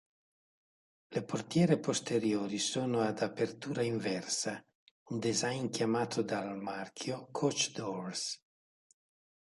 Le portiere posteriori sono ad apertura inversa, un design chiamato dal marchio "coach doors".